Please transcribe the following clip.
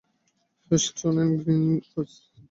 Houston and Greenwich.